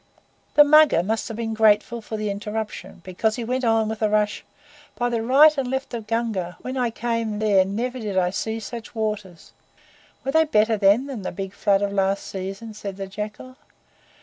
The Mugger must have been grateful for the interruption, because he went on, with a rush: "By the Right and Left of Gunga! when I came there never did I see such waters!" "Were they better, then, than the big flood of last season?" said the Jackal.